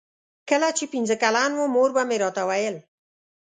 کله چې پنځه کلن وم مور به مې راته ویل.